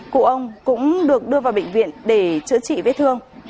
cụ ông cũng được đưa vào bệnh viện để chữa trị vết thương